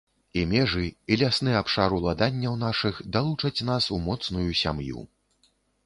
І межы, і лясны абшар уладанняў нашых далучаць нас у моцную сям'ю.